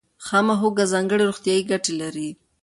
خامه هوږه ځانګړې روغتیایي ګټې لري.